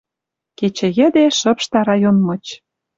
Кечӹ йӹде шыпшта район мыч